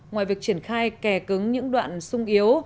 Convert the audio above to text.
ngoài việc triển khai kè cứng những đoạn sung yếu